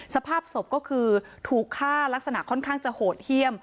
สภาพศพก็คือถูกฆ่าลักษณะค่อนข้างจะโหดเยี่ยม